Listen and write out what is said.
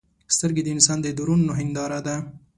سترګې د انسان د درون هنداره ده